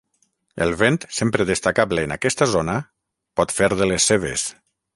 El vent, sempre destacable en aquesta zona, pot fer de les seves.